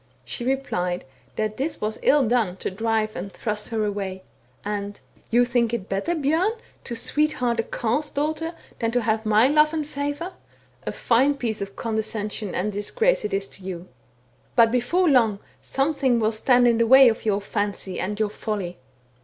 She replied that this was ill done to drive and thrust her away : and * You think it better, Bjom, to sweetheart a Carle's daughter, than to have my love and favour, a fine piece of condescension and a disgrace it is to you ! But, before long, something will stand in the way of your fancy, and your folly.